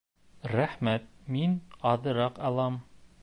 Рәхмәт, мин аҙыраҡ алам